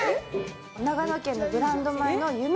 長野県のブランド米のゆめ